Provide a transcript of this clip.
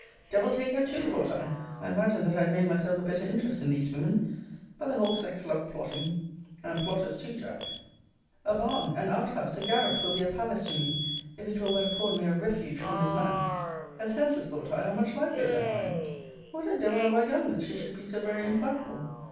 Devil take her too! thought I, I imagined that I had made myself a better interest in these women. But the whole sex love plotting and plotters too, Jack. Cl. A barn, an outhouse, a garret, will be a palace to me, if it will but afford me a refuge from this man! Her senses, thought I, are much livelier than mine. What a devil have I done, that she should be so very implacable?